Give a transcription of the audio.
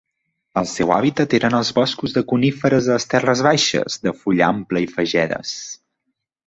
El seu hàbitat eren els boscos de coníferes de les terres baixes, de fulla ampla i fagedes.